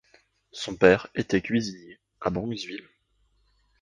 Son père était cuisinier à Bronxville.